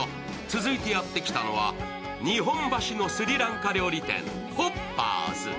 続いてやってきたのは日本橋のスリランカ料理店、ＨＯＰＰＥＲＳ。